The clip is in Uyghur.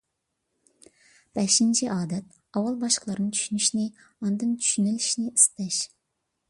بەشىنچى ئادەت، ئاۋۋال باشقىلارنى چۈشىنىشنى، ئاندىن چۈشىنىلىشنى ئىستەش.